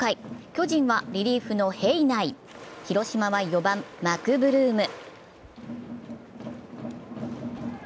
巨人はリリーフの平内、広島は４番・マクブルーム。